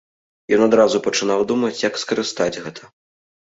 Ён адразу пачынаў думаць, як скарыстаць гэта.